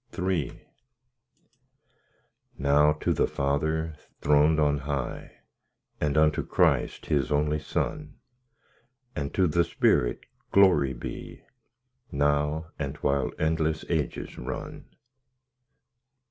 III Now to the Father throned on high, And unto Christ His only Son, And to the Spirit, glory be, Now, and while endless ages run.